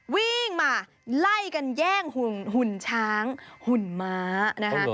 วิ่งมาไล่กันแย่งหุ่นช้างหุ่นม้านะคะ